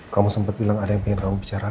kamu sempat bilang ada yang pengen kamu bicarakan